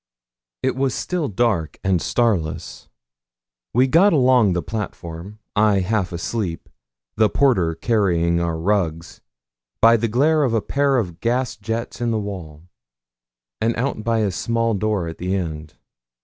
It was still dark and starless. We got along the platform, I half asleep, the porter carrying our rugs, by the glare of a pair of gas jets in the wall, and out by a small door at the end.